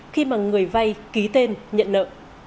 khi mà người vay ký tên nhận nợ